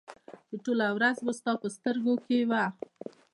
چې ټوله ورځ به ستا په سترګو کې وه